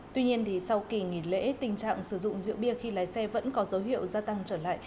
tuy nhiên sau kỳ nghỉ lễ tình trạng sử dụng rượu bia khi lái xe vẫn có dấu hiệu gia tăng trở lại